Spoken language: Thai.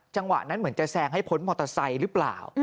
จังหวะนั้นเหมือนจะแซงให้พ้นมอเตอร์ไซค์หรือเปล่า